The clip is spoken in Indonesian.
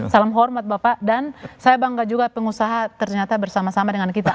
salam hormat bapak dan saya bangga juga pengusaha ternyata bersama sama dengan kita